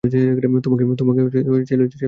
তোমাকে ছেড়ে যেতে পারব না।